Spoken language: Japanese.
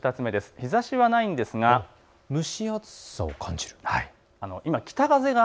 日ざしはないんですが蒸し暑さを感じる。